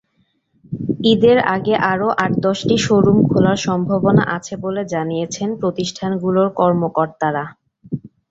ঈদের আগে আরও আট-দশটি শোরুম খোলার সম্ভাবনা আছে বলে জানিয়েছেন প্রতিষ্ঠানগুলোর কর্মকর্তারা।